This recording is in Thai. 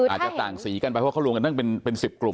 อาจจะต่างสีกันไปเพราะเขารวมกันตั้งเป็น๑๐กลุ่ม